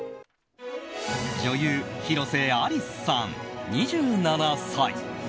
女優・広瀬アリスさん、２７歳。